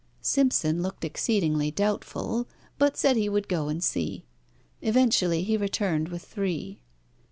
Simpson looked exceedingly doubtful, but said he would go and see. Eventually he returned with three.